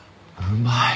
うまい！